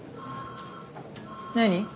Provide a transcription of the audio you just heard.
何？